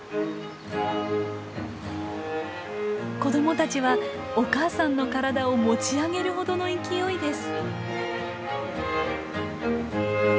子どもたちはお母さんの体を持ち上げるほどの勢いです。